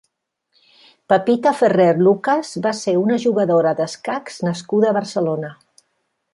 Pepita Ferrer Lucas va ser una jugadora d'escacs nascuda a Barcelona.